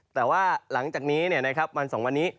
แต่ว่าหลังจากนี้วัน๒วันนี้